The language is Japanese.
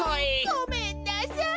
ごめんなさい！